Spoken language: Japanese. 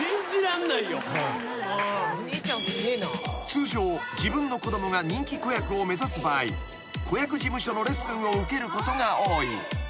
［通常自分の子供が人気子役を目指す場合子役事務所のレッスンを受けることが多い］